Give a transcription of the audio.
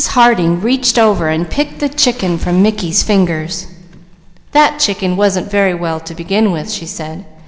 Harding reached over and picked the chicken from Mickey's fingers. "That chicken wasn't very well to begin with," she said.